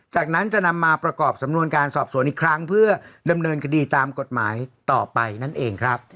จากนั้นจะนำมาประกอบสำนวนการสอบสวนอีกครั้งเพื่อดำเนินคดีตามกฎหมายต่อไปนั่นเองครับ